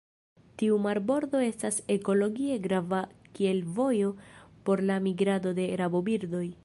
Tiu marbordo estas ekologie grava kiel vojo por la migrado de rabobirdoj.